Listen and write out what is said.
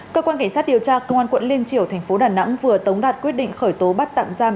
cơ quan cảnh sát điều tra công an quận liên triều thành phố đà nẵng vừa tống đạt quyết định khởi tố bắt tạm giam